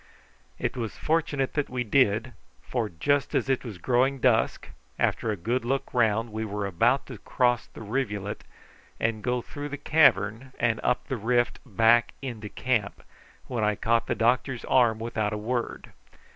It was fortunate that we did, for just as it was growing dusk, after a good look round we were about to cross the rivulet, and go through the cavern and up the rift back into camp, when I caught the doctor's arm without a word.